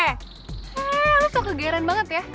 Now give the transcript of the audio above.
eh lo sok kegeran banget ya